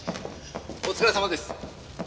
お疲れさまです。